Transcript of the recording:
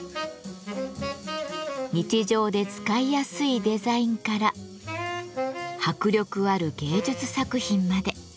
日常で使いやすいデザインから迫力ある芸術作品まで。